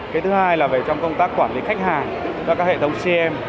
cái thứ hai là về trong công tác quản lý khách hàng và các hệ thống cm